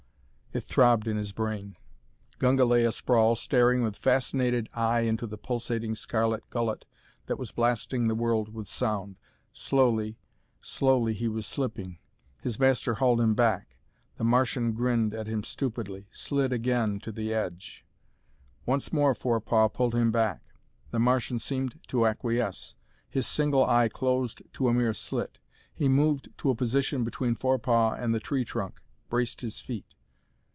It throbbed in his brain. Gunga lay a sprawl, staring with fascinated eye into the pulsating scarlet gullet that was blasting the world with sound. Slowly, slowly he was slipping. His master hauled him back. The Martian grinned at him stupidly, slid again to the edge. Once more Forepaugh pulled him back. The Martian seemed to acquiesce. His single eye closed to a mere slit. He moved to a position between Forepaugh and the tree trunk, braced his feet.